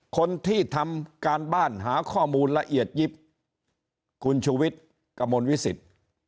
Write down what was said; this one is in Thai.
คนที่ทำการบ้านหาข้อมูลละเอียดยิบคุณชุวิตกวิสิทธิ์